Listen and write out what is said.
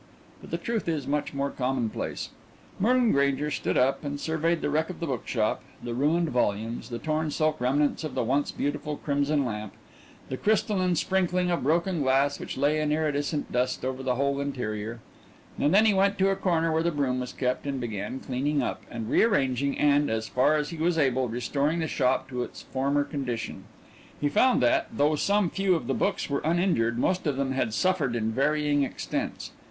But the truth is much more commonplace. Merlin Grainger stood up and surveyed the wreck of the bookshop, the ruined volumes, the torn silk remnants of the once beautiful crimson lamp, the crystalline sprinkling of broken glass which lay in iridescent dust over the whole interior and then he went to a corner where a broom was kept and began cleaning up and rearranging and, as far as he was able, restoring the shop to its former condition. He found that, though some few of the books were uninjured, most of them had suffered in varying extents.